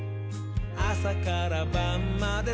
あさからばんまで」